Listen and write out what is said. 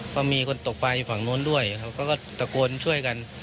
ก็มีคนตกปลายอยู่ฝั่งโน้นด้วยครับก็ก็ตะกรวนช่วยกัน